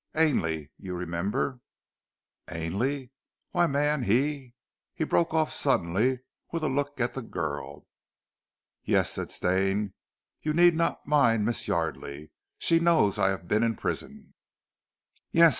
"Ainley! You remember " "Ainley! Why, man, he " He broke off suddenly, with a look at the girl. "Yes?" said Stane, "you need not mind Miss Yardely. She knows I have been in prison." "Yes!"